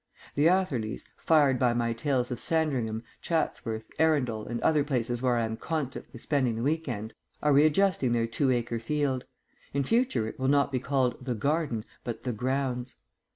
The Atherleys, fired by my tales of Sandringham, Chatsworth, Arundel, and other places where I am constantly spending the week end, are readjusting their two acre field. In future it will not be called "the garden," but "the grounds."